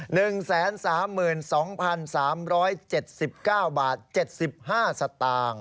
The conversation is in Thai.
หนึ่งแสนสามหมื่นสองพันสามร้อยเจ็ดสิบเก้าบาทเจ็ดสิบห้าสตางค์